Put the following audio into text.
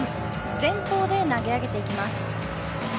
前方で投げ上げていきます。